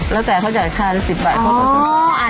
แล้วแต่จะใช้ค่าน้ำทุก๑๐บาท